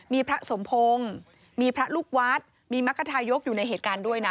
มีพระสมพงศ์มีพระลูกวัดมีมรรคทายกอยู่ในเหตุการณ์ด้วยนะ